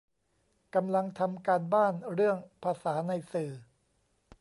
กำลังทำการบ้าน เรื่องภาษาในสื่อ